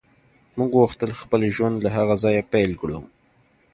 موږ غوښتل خپل ژوند له هغه ځایه پیل کړو